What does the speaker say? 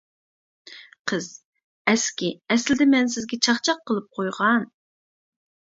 قىز:ئەسكى، ئەسلىدە، مەن سىزگە چاقچاق قىلىپ قويغان.